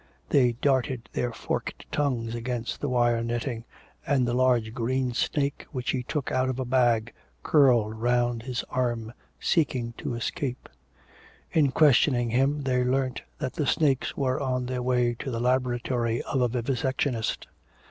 They darted their forked tongues against the wire netting, and the large green snake, which he took out of a bag, curled round his arm, seeking to escape. In questioning him they learnt that the snakes were on their way to the laboratory of a vivisectionist.